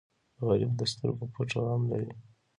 غریب د سترګو پټ غم لري